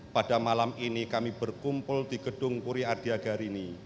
pada malam ini kami berkumpul di gedung puri ardiagarini